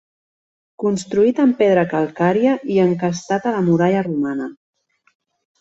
Construït amb pedra calcària i encastat a la muralla romana.